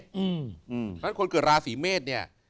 เพราะฉะนั้นคนเกิดราศีเมษเนี่ย